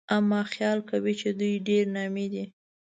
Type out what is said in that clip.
اما خيال کوي چې دوی ډېرې نامي دي